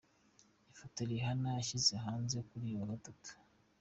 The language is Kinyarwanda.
Ifoto Rihanna yashyize hanze kuri uyu wa Gatatu.